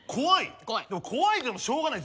怖いでもしょうがない。